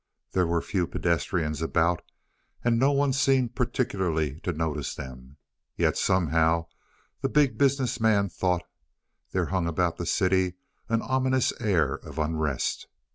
There were few pedestrians about and no one seemed particularly to notice them. Yet somehow, the Big Business Man thought, there hung about the city an ominous air of unrest.